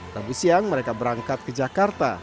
rabu siang mereka berangkat ke jakarta